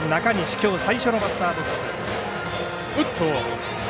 きょう最初のバッターボックス。